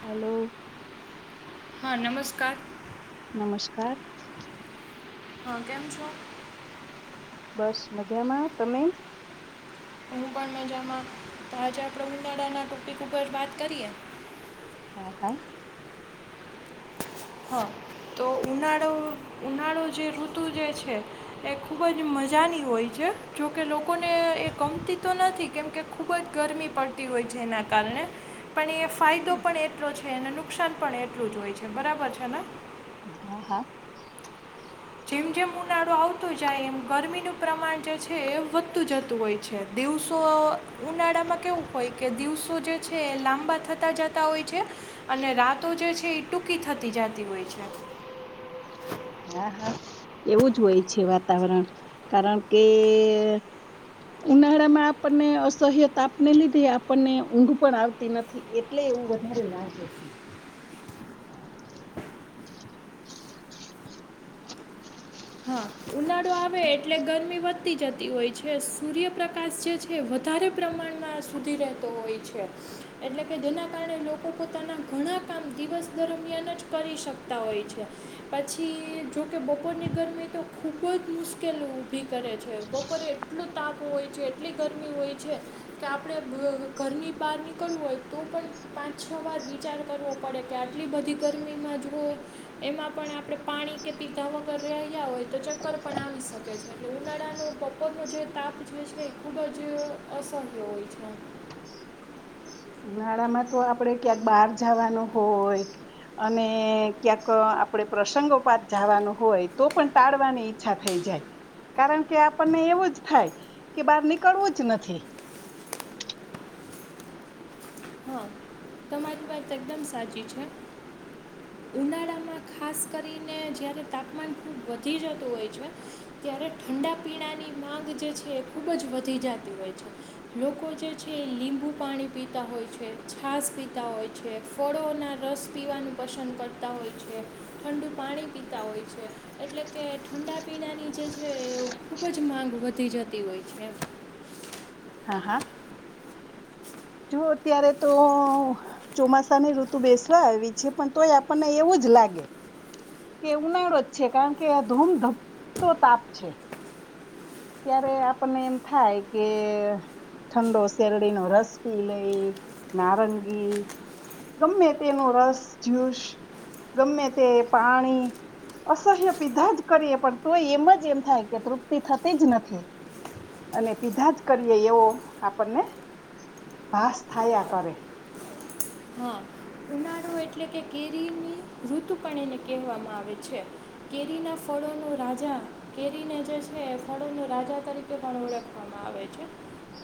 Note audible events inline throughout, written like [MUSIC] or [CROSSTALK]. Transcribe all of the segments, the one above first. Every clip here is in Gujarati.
હેલો હા નમસ્કાર નમસ્કાર હા કેમ છો? બસ મજામાં તમે હું પણ મજામાં તાજા પ્રમિનાળાના ટોપિક ઉપર વાત કરીએ હા હા. હા તો ઉનાળો ઉનાળો જે ઋતુ જે છે એ ખૂબ જ મજાની હોય છે જોકે લોકોને એ ગમતી તો નથી કેમકે ખૂબ જ ગરમી પડતી હોય છે એના કારણે પણ એ ફાયદો પણ એટલોજ છે એને નુકસાન પણ એટલું જ હોય છે બરાબર છે. હેના હા હા. તો આવતું જાય એમ ગરમીનું પ્રમાણ જે છે એ વધતું જતું હોય છે દિવસો ઉનાળામાં કેવું હોય કે દિવસો જે છે એ લાંબા થતા જતા હોય છે. અને રાતો જે છે. ટૂંકી થતી જત તી હોય છે. હા હા એવું જ હોય છે વાતાવરણ કારણ કે ઉનાળામાં આપણને અસહ્ય તાપને લીધે આપણને ઊંઘ પણ આવતી નથી એટલે એવું વધારે લાગે. હા ઉનાળો આવે એટલે ગરમી વધતી જતી હોય છે સૂર્યપ્રકાશ જે છે વધારે પ્રમાણમાં સુધી રહેતો હોય છે એટલે કે જેના કારણે લોકો પોતાના ઘણા કામ દિવસ દરમિયાન જ કરી શકતા હોય છે પછી જોકે બપોરની ગરમી તો ખૂબ જ મુસ્કેલ ઊભી કરે છે બપોરે એટલું તાપ હોય છે એટલી ગરમી હોય છે કે આપણે [UNINTELLIGIBLE] ઘરની બહાર નીકળું હોય તો પણ પાંચ છ વાર વિચાર કરવો પડે કે આટલી બધી ગરમીમાં જુઓ એમાં પણ આપણે પાણી કે પીધ વગર રહ્યા હોય તો ચક્કર પણ આવી શકે છે એટલે ઉનાળાનો બપોરનો જે તાપ જે છે ને એ ખૂબ જ અસહ્ય હોય છે ઉનાળામાં તો આપડે ક્યાંક બહાર જવાનું હોય અને ક્યાંક આપણે પ્રસંગો પાત જાવાનું હોય તો પણ ટાળવાની ઈચ્છા થઈ જાય કારણ કે આપણને એવું જ થાય કે બહાર નીકળવું જ નથી. હા તમારી વાત એકદમ સાચી છે ઉનાળામાં ખાસ કરીને જયારે તાપમાન ખૂબ વધી જતું હોય છે ત્યારે ઠંડા પીણાની માંગ જે છે એ ખૂબ જ વધી જાતી હોય છે લોકો જે છે એ લીંબુ પાણી પીતા હોય છે છાશ પીતા હોય છે, ફળોના રસ પીવાનું પસંદ કરતા હોય છે, ઠંડુ પાણી પીતા હોય છે એટલે કે ઠંડા પીણાની જે છે એ ખૂબજ માંગ વધી જતી હોય, છે. હા, હા. જો અત્યારે તો ચોમાસાની ઋતુ બેસવા આવી છે, પણ તોય આપણને એવુંજ લાગે. કે ઉનાળો જ છે, કારણ કે આ ધૂમધમતો તાપ છે. ત્યારે આપણને એમ થાય, કે ઠંડો શેરડીનો રસ પી લઈ નારંગી ગમે તેનો રસ જ્યુસ ગમે, તે પાણી અસહ્ય પીધા જ કરીએ પણ તોય એમ જ એમ થાય, કે તૃપ્તિ થતી. જ નથી અને પીધા જ કરીએ, એવો આપણને ભાસ થયા કરે. હા, ઉનાળો એટલે કે કેરીની ઋતુ પણ એને કહેવામાં આવે છે, કેરીના ફળોનો રાજા કેરીને જે છે એ ફળોનો રાજા તરીકે પણ ઓળખવામાં આવે છે,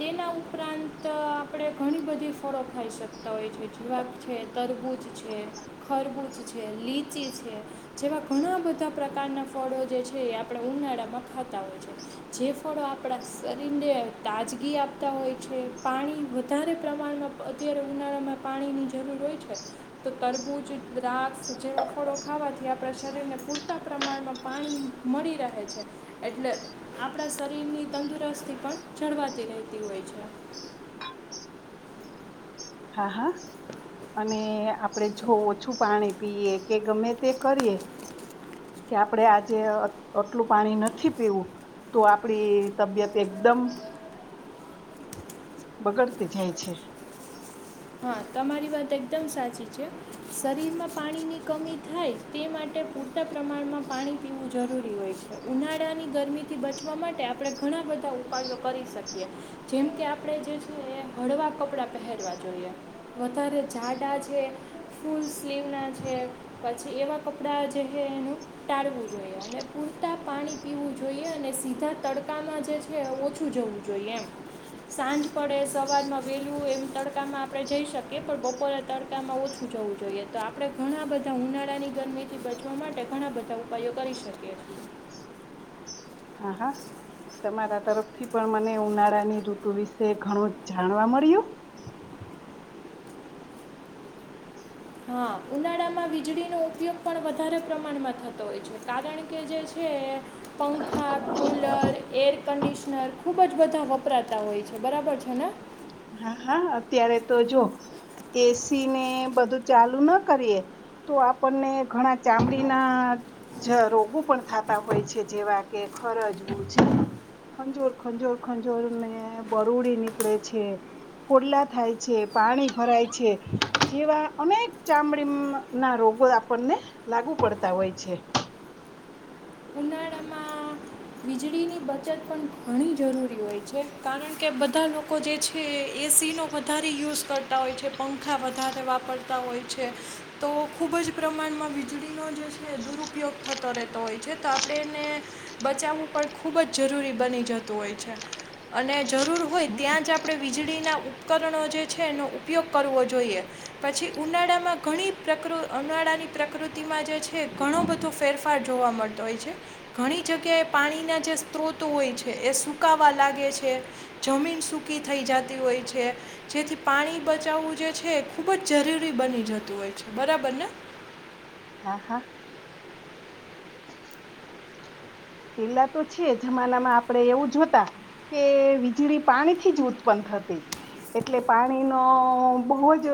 તેના ઉપરાંત આપણે ઘણી બધી ફળો ખાઈ શકતા હોય છે. થવાક છે, તરબૂજ છે, ખરબૂજ છે, લીચી છે જેવા ઘણા બધા પ્રકારનાં ફળો જે છે, એ આપણા ઉનાળામાં ખાતા હોય છે જે ફળો આપણા શરીરને તાજગી આપતા હોય છે, પાણી વધારે પ્રમાણમાં અત્યારે ઉનાળામાં. પાણીની જરૂર હોય છે, તો તરબૂજ દ્રાક્ષ જેવા ફળો ખાવાથી આપણા શરીરને પૂરતા પ્રમાણમાં પાણી મળી રહે છે, એટલે આપણા શરીરની તંદુરસ્તી પણ જળવાતી રહેતી હોય છે. હા, હા. અને આપણે જો ઓછું પાણી પીએ કે ગમે, તે કરીએ કે આપણેે આજે આટલું પાણી નથી, પીવું તો આપડી તબિયત એકદમ. બગડતી જાય છે. હા, તમારી વાત એકદમ સાચી છે, શરીરમાં પાણીની કમી થાય તે માટે પૂરતા પ્રમાણમાં પાણી પીવું જરૂરી હોય છે, ઉનાળાની ગરમીથી બચવા માટે આપણે ઘણા બધા ઉપાયો કરી શકીએ જેમ કે આપણે જે છે, એ હળવાં કપડાં પહેરવા જોઈએ. વધારે જાડા છે, ફૂલ સ્લીવ ના છે પછી એવા કપડા જે છે, એનું ટાળવું જોઈએ અને પૂરતા પાણી પીવું જોઈએ અને સીધા તડકામાં જે છે, ઓછું જવું જોઈએ એમ સાંજ પડે સવારમાં વહેલું એમ તડકામાં. આપણે જઈ, શકીએ પણ બપોરે તડકામાં ઓછું જવું જોઈએ તો આપણે ઘણા બધા ઉનાળાની ગરમીથી, બચવા માટે ઘણા બધા ઉપાયો કરી શકીએીએ. હા હા તમારા તરફથી પણ, મને ઉનાળાની ઋતુ વિશે ઘણું જાણવા મળ્યું. હા, ઉનાળામાં વીજળીનો ઉપયોગ પણ વધારે પ્રમાણમાં થતો હોય છે, કારણ કે જે છે, પંખા કુલર એર કન્ડિશનર ખૂબજ બધા વપરાતા હોય, છે, બરાબર છેને. હા, હા અત્યારે તો જો એસી ને બધું ચાલુ, ના કરીએ તો આપણને ઘણા ચામડીના રોગો પણ થતા હોય છે જેવા કે ખરજવું છે, ખંજોર, ખંજોર ખંજોર ને બરૂુડી નીકળે છે. ખોલ્લા થાય છે, પાણી ભરાય છે, જેવા અનેક ચામડી, ના રોગો આપણને લાગુ પડતા હોય છે. ઉનાળામાં વીજળીની બચત પણ ઘણી, જરૂરી હોય છે, કારણ કે બધા લોકો જે છે. એસીનો, વધારે યુઝ. કરતા હોય છે, પંખા વધારે વાપરતા હોય છે, તો ખૂબજ પ્રમાણમાં વીજળીનો જે છે, દુરુપયોગ થતો રહેતો હોય છે, તો આપણે એને બચાવું. પણ ખૂબજ જરૂરી બની જતું હોય છે અને જરૂર હોય, ત્યાં જ આપણે વીજળીના ઉપકરણો જે, છે એનો ઉપયોગ કરવો જોઈએ પછી ઉનાળામાં ઘણી પ્રકૃ ઉનાળાની પ્રકૃતિમાં જે છે, ઘણો બધો ફેરફાર જોવા મળતો હોય છે, ઘણી જગ્યાએ. પાણીના જે સ્ત્રોતો હોય છે, એ સકાવા લાગે છે જમીન સૂકી થઈ જતી હોય છે, જેથી પાણી બચાવવું જે છે એ ખૂબ જ જરૂરી બની જતું હોય છે, બરાબરને. હા, હા. [INAUDIBLE] પેલા તો છે, જમાનામાં આપડણે એવું જોતા કે વીજળી પાણીથી જ ઉત્પન્ન થતી, એટલે પાણીનો બહુજ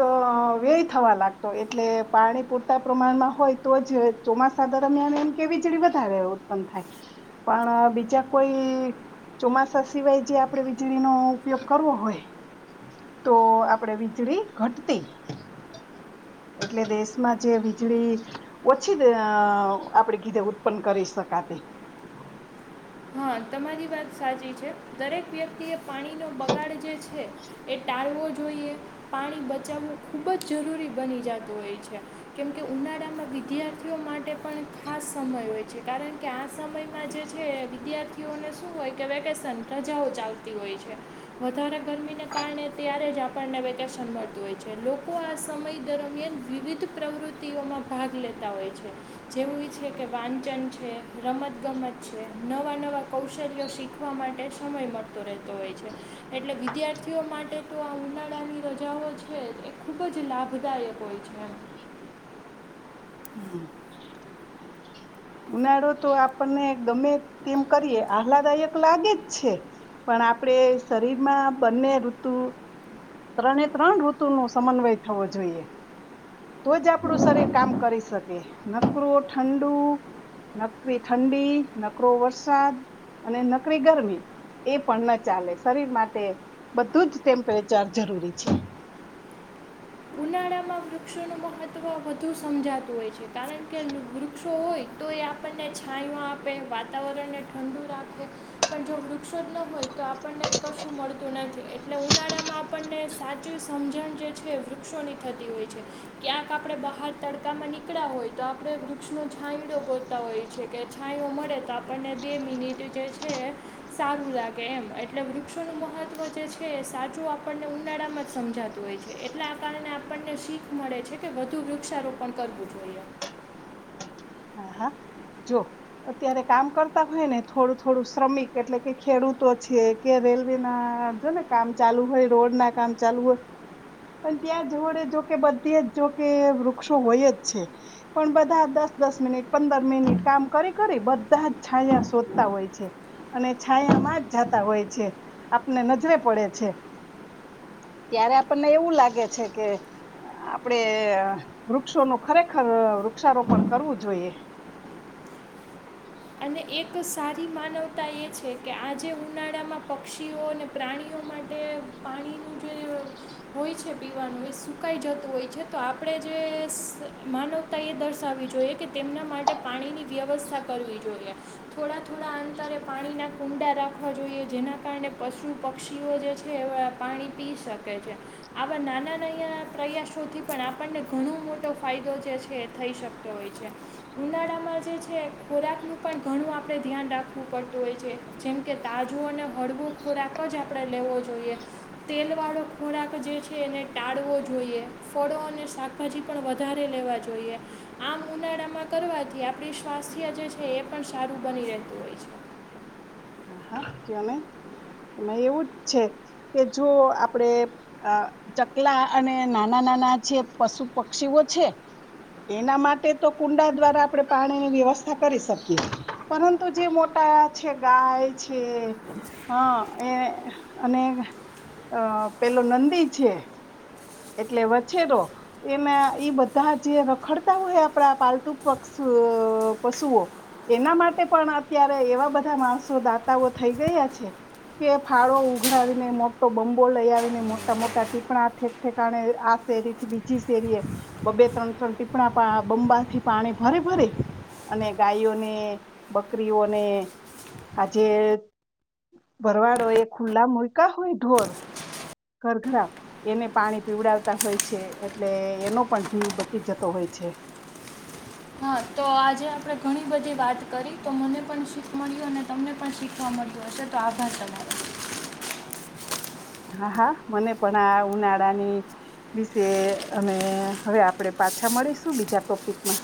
વ્યય થવા લાગતો એટલે પાણી પૂરતા પ્રમાણમાં હોય, તો જ ચોમાસા દરમિયાન એમ કે વીજળી વધારે ઉત્પન્ન થાય. પણ બીજા કોઈ ચોમાસા સિવાય જે આપણે વીજળીનોો ઉપયોગ કરવો હોય, તો આપણેે વીજળી ઘટતી એટલે દેશમા જે વીજળી ઓછી આપણે કીધે ઉત્પન્ન કરી શકાતી. હા, તમારી વાત સાચી છે, દરેક વ્યક્તિએ. પાણીનોો બગાડ જે છે, એ ટાળવો. જોઈએ પાણી બચાવવું ખૂબજ. જરૂરી બની જતું હોય છે, કેમકે ઉનાળામાં વિદ્યાર્થીઓ માટે પણ ખાસ સમય હોય છે, કારણ કે આ સમયમાં જે છે. વિદ્યાર્થીઓને શું હોય, કે વેકેશન રજાઓ ચાલતી હોય છે, વધારે. ગરમીને કારણે ત્યારે જ આપ. પણણને વગગર સંંભળતું હોય છે, લોકો આ સમય દરમિયાન વિવિધ પ્રવૃત્તિઓમાં ભાગ લેતા હોય છે, જેવું એ છે કે વાંચન છે, રમત ગમત છે. નવા, નવાં કૌશલ્યો શીખવા માટે સમય મળતો રહેતો હોય છે, એટલે વિદ્યાર્થીઓ માટે તો આ ઉનાળાની રજાઓ છે, એ ખૂબજ લાભદાયક હોય છે. હમ ઉનાળો તો આપણને ગમે તેમ કરીએ આહલાદાયક લાગે જ છે, પણ આપણેે શરીરમાં બંને ઋતુ ત્રણે ત્રણ ઋતુ નો સમન્વય થવો જોઈએ, તો જ આપણું શરીર કામ કરી શકે નખરો ઠંડુ. નકરી ઠંડી, નકરો વરસાદ અને નકરી ગરમી એ પણ ન ચાલે, શરીર માટે બધું જ ટેમ્પરેચર જરૂરી છે. ઉનાળામાં વૃક્ષોનું મહત્ત્વ વધુ સમજાતું હોય, છે. કારણ કે, વૃક્ષો હોય. તો એ આપણને છામાં, આપે વાત. વાતાવરણને ઠંડુ રાખે. પણ જો, વૃક્ષ હોય, તો આપણને કશું મળતું નથી એટલે હું. [UNINTELLIGIBLE] આપણને સાચું સમજણ જે છે વૃક્ષોની થતી હોય છે. ક્યાંક આપણે બહાર તડકામાં નીકળા હોય તો આપણે વૃક્ષનો છાંયડો ગોતતા હોય છે કે છાંયો મળે તો આપણને બે મિનિટ જે છે એ સારું લાગે એમ, એટલે વૃક્ષોનું મહત્ત્વ જે છે એ સાચું આપણને ઉનાળામાં જ સમજાતું હોય છે, એટલે આ કારણે આપણને શીખ મળે છે કે વધુ વૃક્ષારોપણ કરવું જોઈએ. હા, હા. જો અત્યારે કામ કરતા હોય ને થોડું-થોડું શ્રમિક એટલે કે ખેડૂતો છે, કે રેલવે ના જો ને કામ ચાલુ હોય, રોડ ના કામ ચાલુ હોય પણ ત્યાં જોડે જો કે બધીએ જ જો કે વૃક્ષો હોય જ છે. પણ બધા દસ દસ મિનિટ પંદર મિનિટ કામ કરી-કરી બધા જ છાયા શોધતા હોય છે, અને છાયા માં જ જાતા હોય છે. આપને નજરે પડે છે. ત્યારે આપણને એવું લાગે છે કે આપડે અહ વૃક્ષોનું ખરેખર વૃક્ષારોપણ કરવું. જોઈએ. અને એક સારી માનવતા એ છે કે આજે ઉનાળામાં પક્ષીઓ અને પ્રાણીઓ માટે પાણીનું જે હોય છે પીવાનું એ સુકાઈ જતું હોય છે, તો આપણે જે માનવતા એ દર્શાવવી જોઈએ કે તેમના માટે પાણીની વ્યવસ્થા કરવી જોઈએ. થોડા-થોડા અંતરે પાણીના કુંડા રાખવા જોઈએ જેના કારણે પશુ પક્ષીઓ જે છે એ વ પાણી પી શકે છે. આવા નાના નયા પ્રયાસોથી પણ આપણને ઘણો મોટો ફાયદો જે છે એ થઈ શકતો હોય છે. ઉનાળામાં જે છે ખોરાકનું પણ ઘણું આપણે ધ્યાન રાખવું પડતું હોય છે. જેમ કે તાજું અને હળવો ખોરાક જ આપણે લેવો જોઈએ, તેલવાળો ખોરાક જે છે એને ટાળવો જોઈએ, ફળો અને શાકભાજી પણ વધારે લેવા જોઈએ. આમ ઉનાળામાં કરવાથી આપણી સ્વાસ્થ્ય જે છ છે એ પણ સારું બની રહેતું હોય છે. હા હા કયો નહી, એમાં એવું જ છે કે જો આપણેે અહ ચકલા અને નાના-નાના જે પશુ પક્ષીઓ છે એના માટે તો કુંડા દ્વારા આપણે પાણીની વ્યવસ્થા કરી શકીએ, પરંતુ જે મોટા છે ગાય છે, હા એ અને પેલો નંદી છે. એટલે વછેરો એમા ઈ બધા જે રખડતા હોય આપણા પાલતુ પક્ષ અહ પશુઓ એના માટે પણ અત્યારે એવા બધા માણસો દાતાઓ થઈ ગયા છે, કે ફાળો ઉઘરાવીને મોટો બંબો લઈ આવીને મોટા-મોટા ટીપણા થે કારણે આ શેરી થી બીજી શેરીએ બબ્બે ત્રણ-ત્રણ ટીપણા પા બંબાથી પાણી ભરી-ભરી અને ગાયોને, બકરીઓને, આ જે ભરવાડો એ ખુલ્લા મુયકા હોય ને ઢોર ઘર ઘરા એને પાણી પીવડાવતા હોય છે, એટલે એનો પણ જીવ બચી જતો હોય છે. હા તો આજે આપણે ઘણી બધી વાત કરી તો મને પણ શીખ મળ્યું અને તમને પણ શીખવા મળ્યું હશે તો, આભાર તમારો. હા, હા મને પણ આ ઉનાળાની વિશે અને હવે આપણેે પાછા મળીશું બીજા ટોપિકમાં.